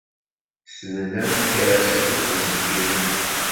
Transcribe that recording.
Ssnen amek ad ṣeggmen iselkimen.